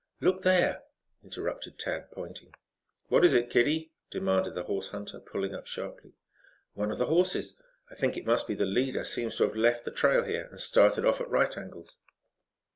"Look there!" interrupted Tad, pointing. "What is it, kiddie?" demanded the horse hunter, pulling up sharply. "One of the horses, I think it must be the leader, seems to have left the trail here and started off at right angles."